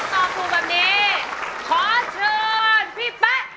ตอบถูกแบบนี้ขอเชิญพี่แป๊ะ